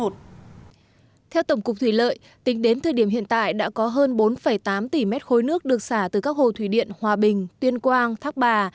theo tổng cục thủy lợi tính đến thời điểm hiện tại đã có hơn bốn tám tỷ mét khối nước được xả từ các hồ thủy điện hòa bình tuyên quang thác bà